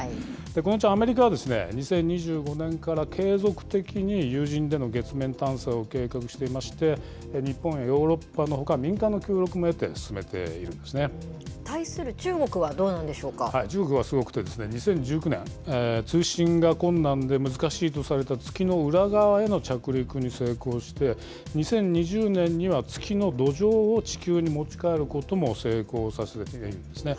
このうちアメリカは、２０２５年から継続的に有人での月面探査を継続していまして、日本やヨーロッパのほか、民間の協力も得て対する中国はどうなんでしょ中国はすごくてですね、２０１９年、通信が困難で難しいとされた月の裏側への着陸に成功して、２０２０年には月の土壌を地球に持ち帰ることも成功させたんですね。